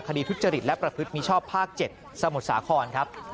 คดีทุจริตและประพฤติมิชชอบภาคเจ็ดสมุทรสาข้อนครับ